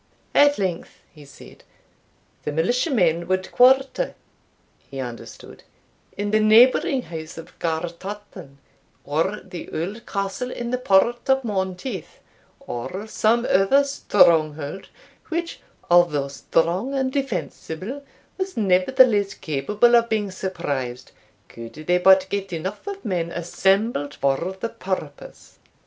At length he said, "the militiamen would quarter, he understood, in the neighbouring house of Gartartan, or the old castle in the port of Monteith, or some other stronghold, which, although strong and defensible, was nevertheless capable of being surprised, could they but get enough of men assembled for the purpose."